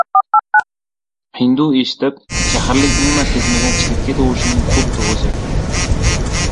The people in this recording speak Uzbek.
– hindu eshitib, shaharlik umuman sezmagan chigirtka tovushining xuddi oʻzi.